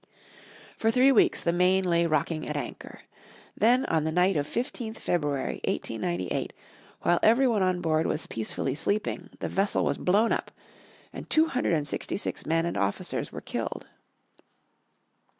For three weeks the Maine lay rocking at anchor. Then on the night of 15th February, 1898, while every one on board was peacefully sleeping the vessel was blown up, and two hundred and sixty six men and officers were killed.